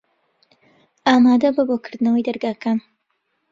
ئامادە بە بۆ کردنەوەی دەرگاکان.